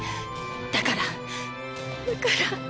だからだから。